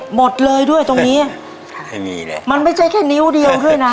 หมดเลยด้วยตรงนี้ไม่มีเลยมันไม่ใช่แค่นิ้วเดียวด้วยนะ